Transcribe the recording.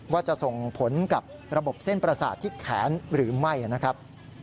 ว่าจะส่งผลกับระบบเส้นประสาทที่แขนหรือไม่นะครับ